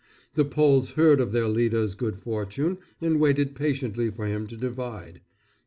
The Poles heard of their leader's good fortune and waited patiently for him to divide.